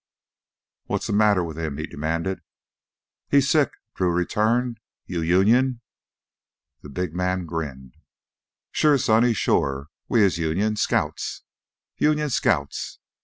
"What's th' matter wi' him?" he demanded. "He's sick," Drew returned. "You Union?" The big man grinned. "Shore, sonny, shore. We is Union ... scouts ... Union scouts."